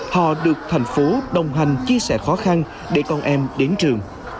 họ được thành phố đồng hành chia sẻ khó khăn để con em đến trường